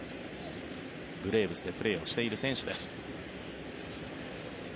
ブレーブスでプレーをしている選手です。